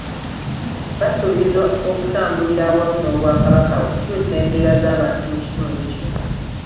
Basuubiza okutambulira awamu n’Obwakabaka okukyusa embeera z’abantu mu kitundu kino.